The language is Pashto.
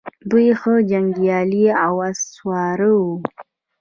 دوی ښه جنګیالي او آس سواران وو